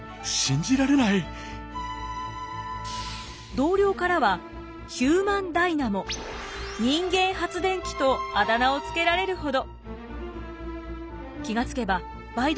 同僚からはヒューマンダイナモ人間発電機とあだ名を付けられるほど。